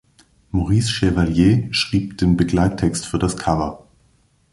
Maurice Chevalier schrieb den Begleittext für das Cover.